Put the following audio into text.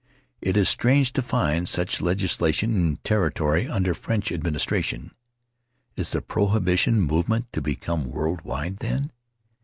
It is strange to find such legislation in territory under French administration. Is the prohibition movement to become world wide, then?